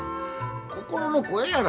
心の声やら。